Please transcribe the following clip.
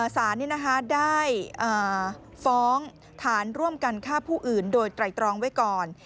สารได้ฟ้องฐานร่วมกันฆ่าผู้อื่นโดยไตรตรองไว้ก่อน